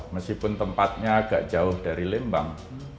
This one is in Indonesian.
meskipun tempatnya agak jauh dari lembang